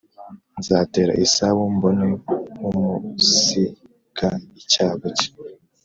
Nzatera esawu mbone kumus ga icyago cye